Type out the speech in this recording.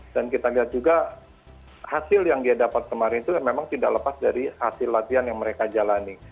dan kita lihat juga hasil yang dia dapat kemarin itu memang tidak lepas dari hasil latihan yang mereka jalani